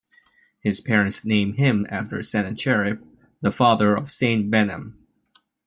His parents named him after Sennacherib, the father of Saint Behnam.